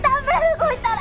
動いたら！